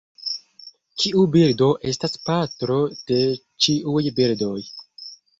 Kiu birdo estas patro de ĉiuj birdoj?